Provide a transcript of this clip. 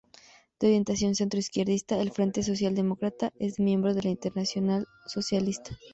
De orientación centro-izquierdista, el Frente Socialdemócrata es miembro de la Internacional Socialista.